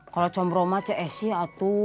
kalau combro mas cek esi atu